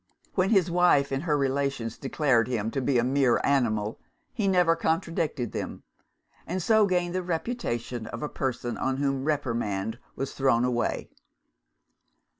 When his wife and her relations declared him to be a mere animal, he never contradicted them and so gained the reputation of a person on whom reprimand was thrown away.